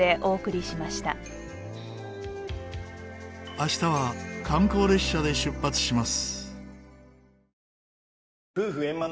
明日は観光列車で出発します。